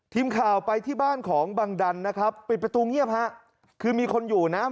ทีมข่าวไปที่บ้านของบังดันนะครับปิดประตูเงียบฮะคือมีคนอยู่นะ